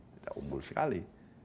tidak unggul sekali